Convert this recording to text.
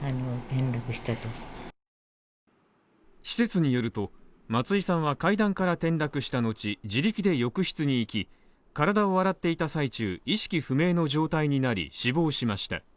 施設によると、松井さんは階段から転落したのち、自力で浴室に行き、体を洗っていた最中、意識不明の状態になり、死亡しました。